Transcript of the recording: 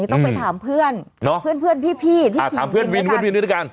ต้องไปถามเพื่อนเพื่อนพี่ที่เขียนกลิ่นด้วยกัน